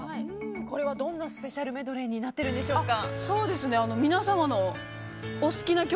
これは、どんなスペシャルメドレーになっているんでしょうか。